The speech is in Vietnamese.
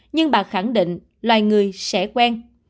nhưng bà khẳng định loài người sẽ quen